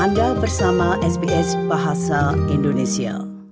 anda bersama sbs bahasa indonesia